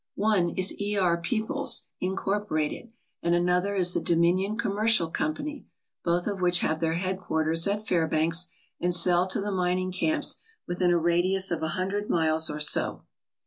One is E. R. Peoples, Incorporated, and another is the Dominion Commercial Company, both of which have their headquarters at Fairbanks and sell to the mining camps within a radius of a hundred miles or so.